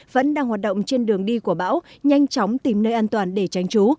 vẫn đang hoạt động trên đường đi của bão nhanh chóng tìm nơi an toàn để tránh trú